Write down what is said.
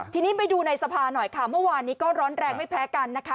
ทีนี้ไปดูในสภาหน่อยค่ะเมื่อวานนี้ก็ร้อนแรงไม่แพ้กันนะคะ